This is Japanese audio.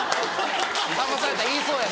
さんまさんやったら言いそう。